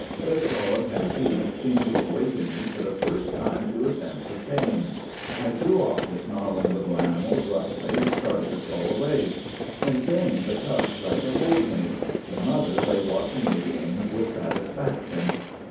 Their claws and teeth seemed to awaken me for the first time to a sense of pain. I threw off the snarling little animals roughly, and started to crawl away. In vain the cubs tried to hold me. The mother lay watching the game with satisfaction.